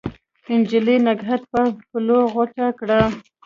نجلۍ نګهت په پلو غوټه کړ